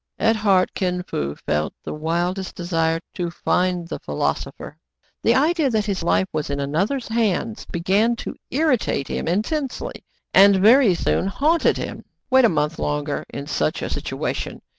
" At heart Kin Fo felt the wildest desire to find the philosopher. The idea that his life was in another's hands began to irritate him intensely, and very soon haunted him. Wait a month longer in such a situation